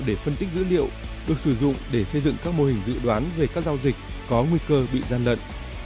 để phân tích dữ liệu được sử dụng để xây dựng các mô hình dự đoán về các giao dịch có nguy cơ bị gian lận